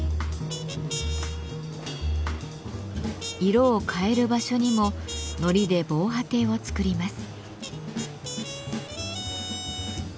色を変える場所にも糊で防波堤を作ります。